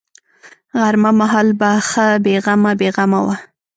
غرمه مهال به ښه بې غمه بې غمه وه.